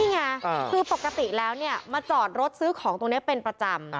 นี่ไงคือปกติแล้วเนี่ยมาจอดรถซื้อของตรงนี้เป็นประจำ